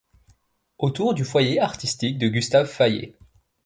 Autour du foyer artistique de Gustave Fayet.